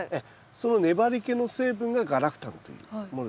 その粘りけの成分がガラクタンというものですね。